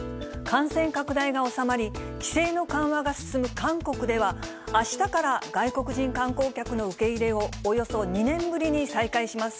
感染拡大が収まり、規制の緩和が進む韓国では、あしたから外国人観光客の受け入れをおよそ２年ぶりに再開します。